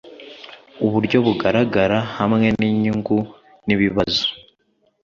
Uburyo bugaragara hamwe ninyungu nibibazo